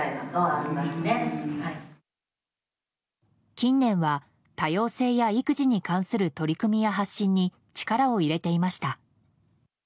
近年は、多様性や育児に関する取り組みや発信に力を入れていました。